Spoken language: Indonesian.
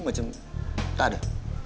macam tak ada